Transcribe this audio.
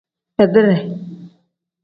Beedire.